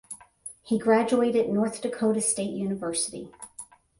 He graduated North Dakota State University.